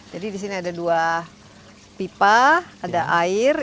jadi di sini ada dua pipa ada air